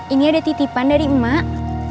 ini ada titipan dari emak